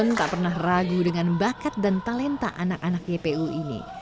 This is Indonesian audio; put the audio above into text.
yang tak pernah ragu dengan bakat dan talenta anak anak ypu ini